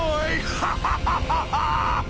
ハハハハ！